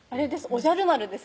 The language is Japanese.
おじゃる丸です